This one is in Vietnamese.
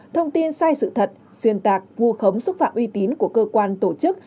thông tin sai sự thật xuyên tạc vu khống xúc phạm uy tín của cơ quan tổ chức